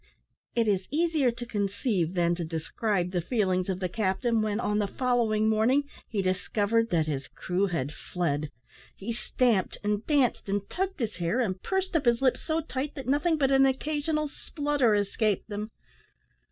It is easier to conceive than to describe the feelings of the captain, when, on the following morning, he discovered that his crew had fled. He stamped, and danced, and tugged his hair, and pursed up his lips so tight that nothing but an occasional splutter escaped them!